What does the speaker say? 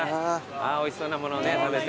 おいしそうなものを食べて。